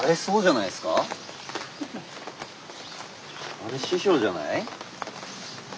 あれ師匠じゃない？